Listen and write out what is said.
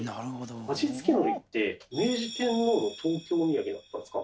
味付けのりって明治天皇の東京みやげだったんですか？